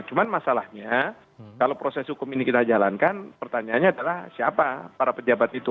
cuma masalahnya kalau proses hukum ini kita jalankan pertanyaannya adalah siapa para pejabat itu